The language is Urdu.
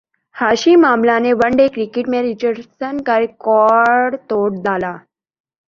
ہاشم املہ نے ون ڈے کرکٹ میں رچی رچرڈسن کا ریکارڈ توڑ ڈالا